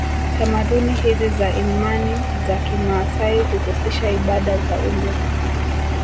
Tamaduni hizi za imani za kimaasai huhusisha ibada za umri